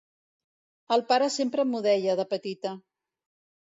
El pare sempre m'ho deia, de petita.